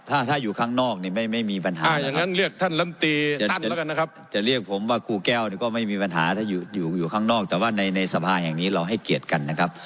เอาอย่างนั้นเรียกท่านลำตีตั้นแล้วกันนะครับ